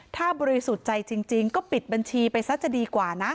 ถ้าบริสุทธิ์ใจจริงก็ปิดบัญชีไปซะจะดีกว่านะ